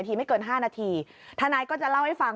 เท่าที่คุยกัน